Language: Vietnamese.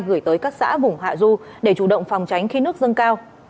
gửi tới các xã vùng hạ du để chủ động phòng tránh khi nước dâng cao